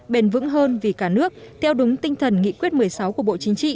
bền vững hơn vì cả nước theo đúng tinh thần nghị quyết một mươi sáu của bộ chính trị